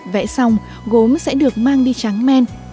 vẽ xong gốm sẽ được mang đi trắng men